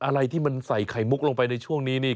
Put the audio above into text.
อะไรที่มันใส่ไข่มุกลงไปในช่วงนี้นี่